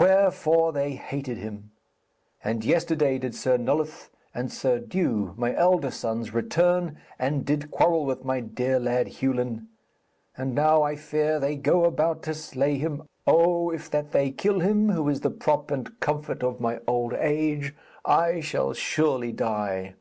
Wherefore they hated him. And yesterday did Sir Nulloth and Sir Dew, my elder sons, return, and did quarrel with my dear lad Hewlin. And now I fear they go about to slay him. Oh, if that they kill him, who is the prop and comfort of my old age, I shall surely die.'